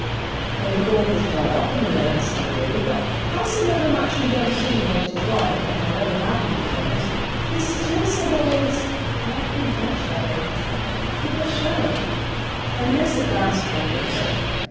Then the gold was brought up and the wedding celebrated; but howsoever much the young king loved his wife, and however happy he was, he still said always: 'If I could but shudder if I could but shudder.' And this at last angered her.